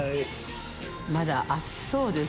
まだ熱そうです